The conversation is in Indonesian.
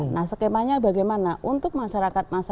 nah skemanya bagaimana untuk masyarakat